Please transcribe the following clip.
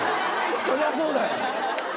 そりゃそうだよ。